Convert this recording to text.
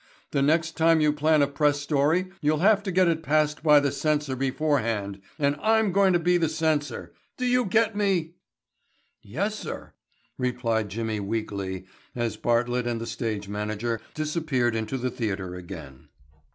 The next time you plan a press story you'll have to get it passed by the censor beforehand and I'm going to be the censor. Do you get me?" "Yes, sir," replied Jimmy weakly as Bartlett and the stage manager disappeared into the theatre again.